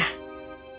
tetapi berapa biayanya